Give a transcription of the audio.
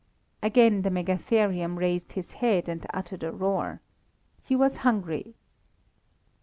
Again the megatherium raised his head and uttered a roar. He was hungry.